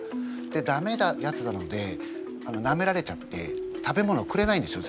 でダメなやつなのでなめられちゃって食べ物をくれないんですよ